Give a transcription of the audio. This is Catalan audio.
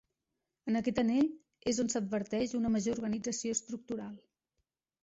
En aquest anell, és on s'adverteix una major organització estructural.